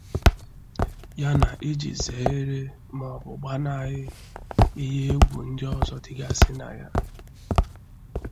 ya na iji zèéré maọbụ gbanahị ihe égwù ndị ọzọ dịgasị na ya.